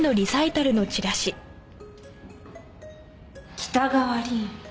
北川凛。